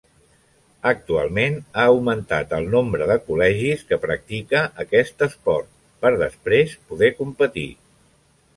Actualment, ha augmentat el nombre de col·legis que practica aquest esport per, després, poder competir.